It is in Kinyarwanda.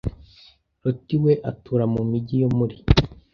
Loti we atura mu migi yo muri